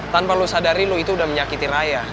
tanpa lo sadari lu itu udah menyakiti raya